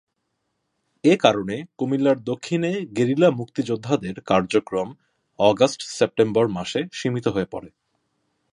এ কারণে কুমিল্লার দক্ষিণে গেরিলা মুক্তিযোদ্ধাদের কার্যক্রম আগস্ট-সেপ্টেম্বর মাসে সীমিত হয়ে পড়ে।